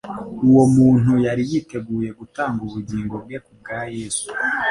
Uwo muntu yari yiteguye gutanga ubugingo bwe kubwa Yesu,